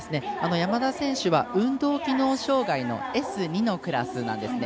山田選手は運動機能障がいのＳ２のクラスなんですね。